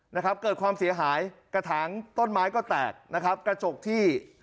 นะครับเกิดความเสียหายกระถางต้นไม้ก็แตกนะครับกระจกที่